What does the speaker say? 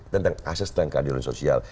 tentang asas dan keadilan sosial